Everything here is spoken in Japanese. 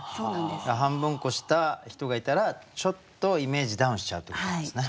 だから半分こした人がいたらちょっとイメージダウンしちゃうっていうことなんですね。